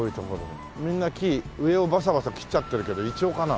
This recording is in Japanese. みんな木上をバサバサ切っちゃってるけどイチョウかな？